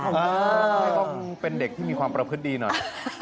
ก็ต้องเป็นเด็กที่มีความประพฤติดีหน่อย